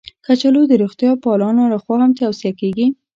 کچالو د روغتیا پالانو لخوا هم توصیه کېږي